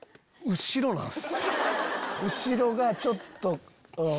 後ろがちょっとうん。